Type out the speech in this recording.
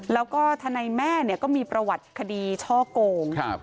แล้วก็ทนายแม่ก็มีประวัติคดีช่อโกง